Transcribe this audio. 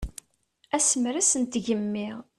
Asemres n tgemmi.